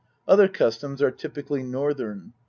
Other customs are typically Northern.